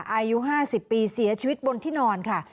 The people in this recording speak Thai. อายุ๕๐ปีเสียชีวิตบนที่นอนค่ะ